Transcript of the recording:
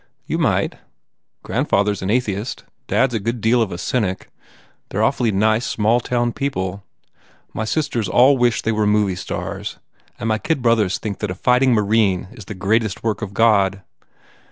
"You might. Grandfather s an atheist. Dad s a good deal of a cynic. They re awfully nice small town people. My sisters all wish they were movie stars and my kid brothers think that a fighting marine is the greatest work of God."